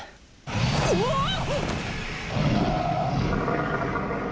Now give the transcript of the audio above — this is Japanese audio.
うわあっ！